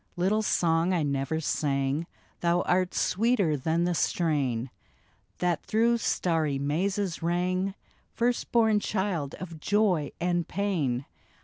Little song I never sang, Thou art sweeter than the strain That through starry mazes rang, First born child of joy and pain.